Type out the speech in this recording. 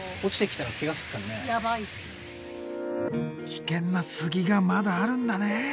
危険な杉がまだあるんだね。